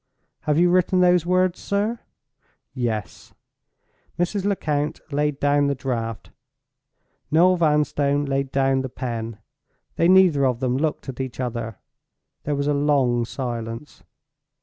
"Have you written those words, sir?" "Yes." Mrs. Lecount laid down the Draft; Noel Vanstone laid down the pen. They neither of them looked at each other. There was a long silence.